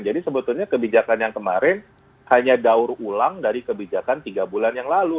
jadi sebetulnya kebijakan yang kemarin hanya daur ulang dari kebijakan tiga bulan yang lalu